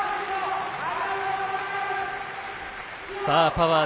パワー！